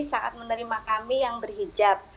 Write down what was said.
saat menerima kami yang berhijab